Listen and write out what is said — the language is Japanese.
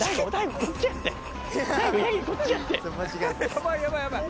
「やばいやばいやばい！」